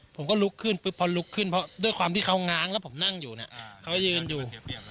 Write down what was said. ผมก็ลุกขึ้นปุ๊บพอลุกขึ้นเพราะด้วยความที่เขาง้างแล้วผมนั่งอยู่เนี่ยเขายืนอยู่